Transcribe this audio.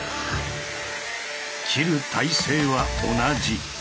切る体勢は同じ。